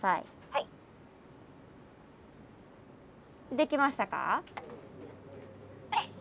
できましたか？